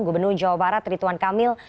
gubernur jawa barat rituan kamil